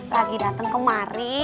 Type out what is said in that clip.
lagi dateng kemari